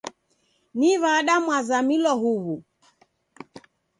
Ni w'ada mwazamilwa huwu?